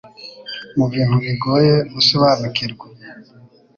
mu bintu bigoye gusobanukirwa,